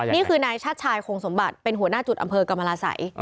นี่คือนายชาติชายโครงสมบัติเป็นหัวหน้าจุดอำเภอกรรมราศัย